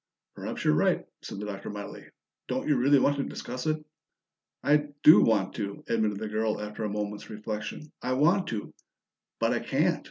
"Perhaps you're right," said the Doctor mildly. "Don't you really want to discuss it?" "I do want to," admitted the girl after a moment's reflection. "I want to but I can't.